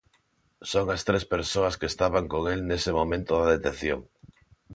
Son as tres persoas que estaban con el nese momento da detención.